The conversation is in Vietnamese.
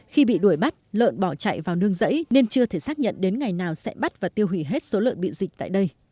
khi bị đuổi bắt lợn bỏ chạy vào nương rẫy nên chưa thể xác nhận đến ngày nào sẽ bắt và tiêu hủy hết số lợn bị dịch tại đây